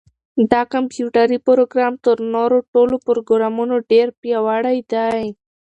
دا کمپیوټري پروګرام تر نورو ټولو پروګرامونو ډېر پیاوړی دی.